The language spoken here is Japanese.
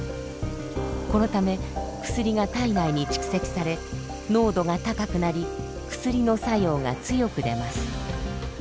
このため薬が体内に蓄積され濃度が高くなり薬の作用が強くでます。